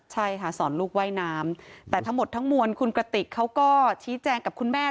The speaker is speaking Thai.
ใช่ค่ะสอนลูกว่ายน้ำแต่ทั้งหมดทั้งมวลคุณกระติกเขาก็ชี้แจงกับคุณแม่